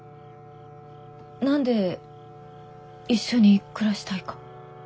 何で一緒に暮らしたいか。